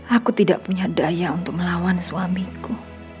aku tidak punya daya untuk melawan suamiku